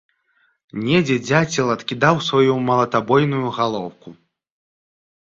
Недзе дзяцел адкідаў сваю малатабойную галоўку.